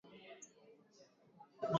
Babake hadija hayuko